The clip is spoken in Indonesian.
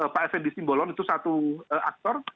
pak fnd simbolon itu satu aktor